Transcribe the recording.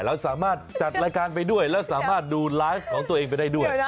เราสามารถจัดรายการไปด้วยแล้วสามารถดูไลฟ์ของตัวเองไปได้ด้วย